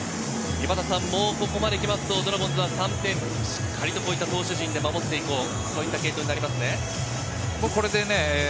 ここまでくるとドラゴンズは３点をしっかり投手陣で守って行こう、そういった継投になりますね。